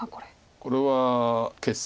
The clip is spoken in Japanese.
これは決戦。